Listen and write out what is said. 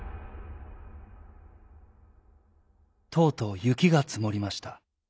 とうとうゆきがつもりました。